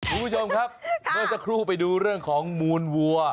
คุณผู้ชมครับเมื่อสักครู่ไปดูเรื่องของมูลวัว